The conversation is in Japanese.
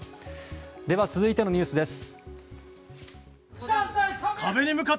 では続いてのニュースです。